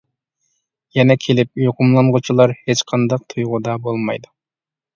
يەنە كېلىپ يۇقۇملانغۇچىلار ھېچقانداق تۇيغۇدا بولمايدۇ.